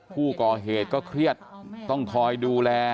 ผู้ก่อเหตุก็เครียดต้องคอยดูแล